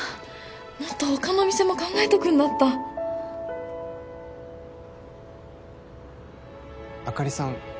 もっと他のお店も考えとくんだったあかりさん